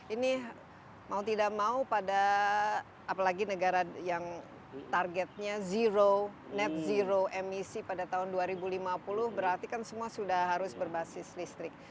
ini mau tidak mau pada apalagi negara yang targetnya net zero emisi pada tahun dua ribu lima puluh berarti kan semua sudah harus berbasis listrik